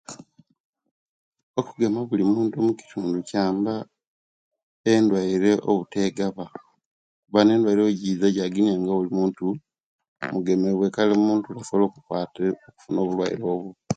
Okugema bulimuntu mutindu kyamba endwaire obutegaba kubanga nendwaire owegiza gyagilya nga bulimuntu mugemewe kale omuntu tasoobola okukwatibwa no'obulwaire obbo